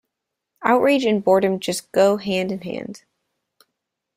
Outrage and boredom just go hand in hand.